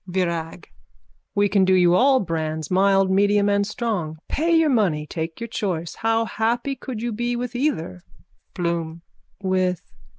VIRAG: We can do you all brands, mild, medium and strong. Pay your money, take your choice. How happy could you be with either... BLOOM: With...?